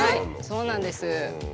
そうなんです。